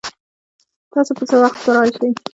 تاسو به څه وخت راشئ؟